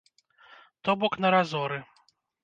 То бок на разоры.